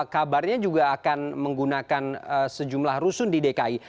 kabarnya juga akan menggunakan sejumlah rusun di dki